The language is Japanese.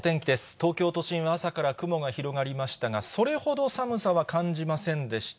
東京都心は朝から雲が広がりましたが、それほど寒さは感じませんでした。